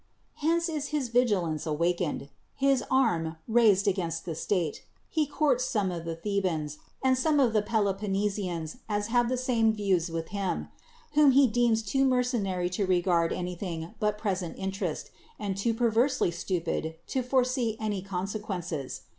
Hence is his vigilance awakened; his arm raised against the state ; he courts some of the Thebans, and such of the Peloponnesians as have the same views with him ; whom he deems too mercenary to regard anything but present interest, and too perversely stupid to foresee any consequen ces.